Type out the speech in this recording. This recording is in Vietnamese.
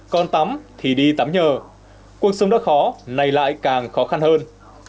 còn tắm thì đi tắm nhờ cuộc sống đó khó nay lại càng khó khăn hơn